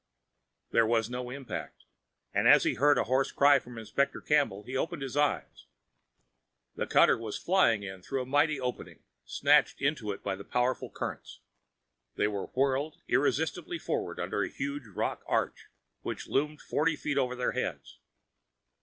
There was no impact. And as he heard a hoarse cry from Inspector Campbell, he opened his eyes. The cutter was flying in through the mighty opening, snatched into it by powerful currents. They were whirled irresistibly forward under the huge rock arch, which loomed forty feet over their heads.